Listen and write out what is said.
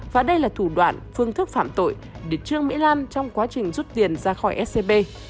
và đây là thủ đoạn phương thức phạm tội để trương mỹ lan trong quá trình rút tiền ra khỏi scb